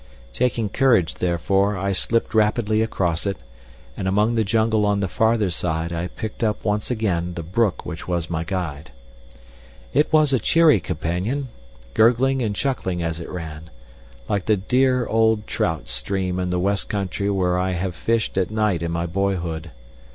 Taking courage, therefore, I slipped rapidly across it, and among the jungle on the farther side I picked up once again the brook which was my guide. It was a cheery companion, gurgling and chuckling as it ran, like the dear old trout stream in the West Country where I have fished at night in my boyhood.